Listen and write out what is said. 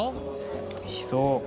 おいしそう。